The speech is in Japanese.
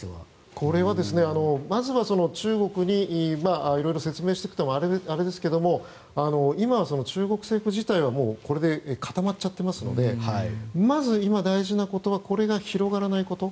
まずは中国にいろいろ説明していくのもあれですけども今は中国政府自体はもうこれで固まっちゃっていますのでまず今、大事なことはこれが広がらないこと。